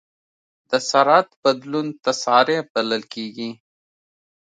د سرعت بدلون تسارع بلل کېږي.